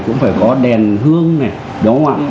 cũng phải có đèn hương này